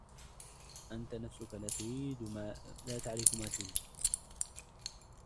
أنت نفسك لا تعرف ما تريد.